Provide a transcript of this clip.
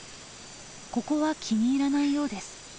ここは気に入らないようです。